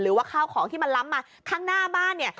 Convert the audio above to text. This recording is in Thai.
หรือว่าข้าวของที่มันล้ำมาข้างหน้าบ้านเนี่ย